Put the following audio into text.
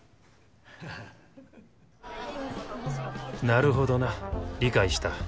なるほどな理解した。